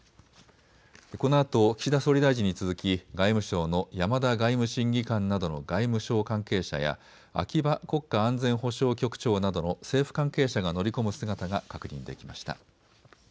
このあと岸田総理大臣に続き外務省の山田外務審議官などの外務省関係者や秋葉国家安全保障局長などの政府関係者が乗り込む姿が確認できました。